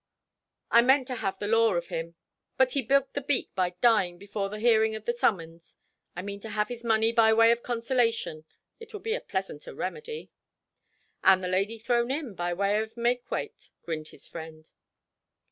"I meant to have the law of him; but as he bilked the beak by dying before the hearing of the summons, I mean to have his money by way of consolation. It will be a pleasanter remedy." "And the lady thrown in by way of make weight," grinned his friend.